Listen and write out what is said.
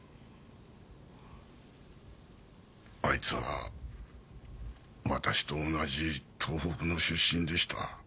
あいつは私と同じ東北の出身でした。